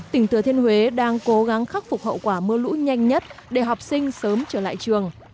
tỉnh thừa thiên huế đang cố gắng khắc phục hậu quả mưa lũ nhanh nhất để học sinh sớm trở lại trường